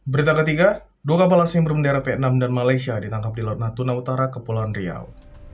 berita ketiga dua kapal asing berbendera vietnam dan malaysia ditangkap di laut natuna utara kepulauan riau